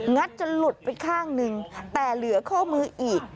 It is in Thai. จนหลุดไปข้างหนึ่งแต่เหลือข้อมืออีก